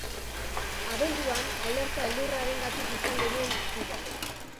Abenduan alerta elurrarengatik izan genuen hizpide.